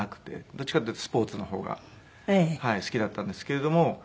どっちかっていうとスポーツの方が好きだったんですけれども。